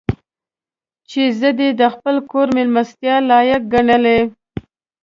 چې زه دې د خپل کور مېلمستیا لایق ګڼلی.